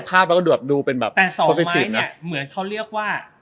แต่๒ไม้เนี่ยเหมือนเขาเรียกว่า